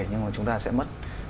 nhưng mà chúng ta sẽ mất